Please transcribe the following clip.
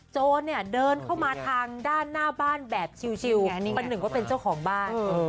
โจรเนี่ยเดินเข้ามาทางด้านหน้าบ้านแบบชิลประหนึ่งว่าเป็นเจ้าของบ้าน